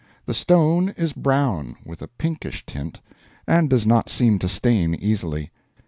The stone is brown, with a pinkish tint, and does not seem to stain easily.